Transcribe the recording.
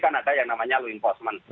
kan ada yang namanya law enforcement